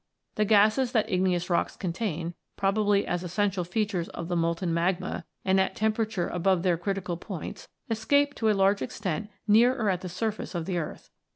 The gases that igneous rocks contain, probably as essential features of the molten magma, and at a temperature above* their critical points, escape to a large extent near or at the surface of the earth.